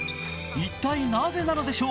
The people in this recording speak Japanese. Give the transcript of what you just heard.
一体なぜなのでしょう。